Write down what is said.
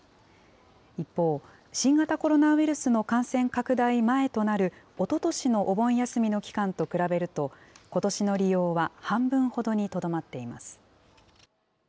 一方、新型コロナウイルスの感染拡大前となるおととしのお盆休みの期間と比べると、ことしの利用は半分ほどにとどまっています。